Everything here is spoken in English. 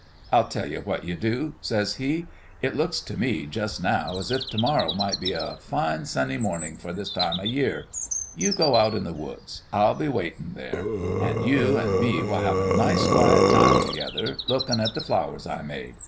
I'll tell you what you do,' says He. ' It looks t' me, jus' now, as if t' morrow might be a fine sunny mornin' for this time o' the year. You go out in the woods. I'll be waitin' there ; an' you an' me will have a nice quiet time t'gether, lookin' at the flowers I made.